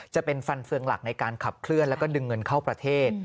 จะเป็นฟันเฟืองหลักในการขับเคลื่อนแล้วก็ดึงเงินเข้าประเทศ